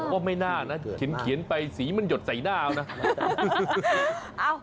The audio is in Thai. ก็ไม่น่านะเขียนไปสีมันหยดใส่หน้าเอานะ